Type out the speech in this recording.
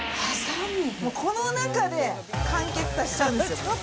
この中で完結させちゃうんですよ。